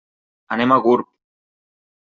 Anem a Gurb.